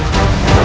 aku tidak tahu diri